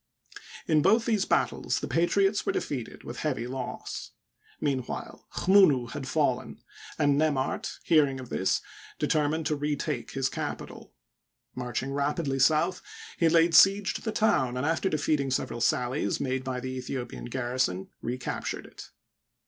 In both these battles the patriots were defeated with heavy loss. Meanwhile Chmunu had fallen, and Nemart, hearing of this, deter mined to retake his capital. Marching rapidly south, he laid siege to the town, and, after defeating several sallies made by the Aethiopian garrison, recaptured it.